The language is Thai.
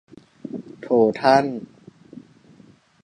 โถ ท่าน